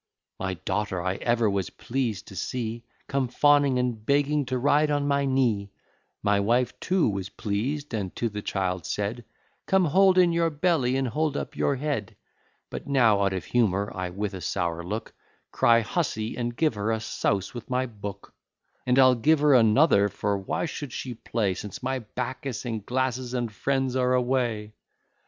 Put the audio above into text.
My daughter I ever was pleased to see Come fawning and begging to ride on my knee: My wife, too, was pleased, and to the child said, Come, hold in your belly, and hold up your head: But now out of humour, I with a sour look, Cry, hussy, and give her a souse with my book; And I'll give her another; for why should she play, Since my Bacchus, and glasses, and friends, are away?